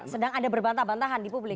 sedang ada berbantah bantahan di publik